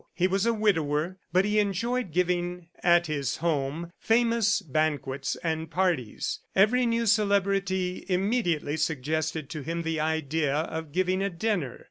He was a widower, but he enjoyed giving at his home famous banquets and parties. Every new celebrity immediately suggested to him the idea of giving a dinner.